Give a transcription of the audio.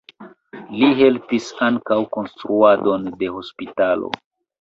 Li helpis ankaŭ konstruadon de hospitalo.